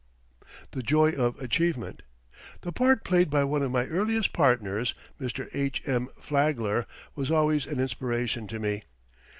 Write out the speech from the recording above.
THE JOY OF ACHIEVEMENT The part played by one of my earliest partners, Mr. H.M. Flagler, was always an inspiration to me.